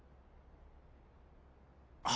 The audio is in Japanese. あ。